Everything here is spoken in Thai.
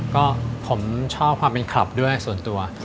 ก็ผมชอบความเป็นคลับด้วยส่วนตัว